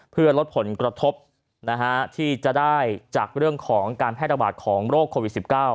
เพื่อลดผลกระทบที่จะได้จากเรื่องของการแพร่ระบาดของโรคโควิด๑๙